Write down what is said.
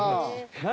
何？